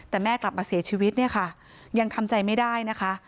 แต่แม่กลับมาเสียชีวิตเนี่ยค่ะยังทำใจไม่ได้นะคะ